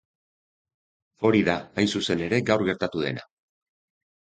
Hori da, hain zuzen ere, gaur gertatu dena.